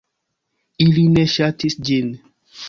Ili ne ŝatis ĝin.